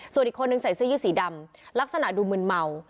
ส่วนอีกคนนึงใส่เสื้อยืดสีดำลักษณะดูมึนเมา